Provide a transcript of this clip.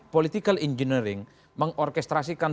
political engineering mengorkestrasikan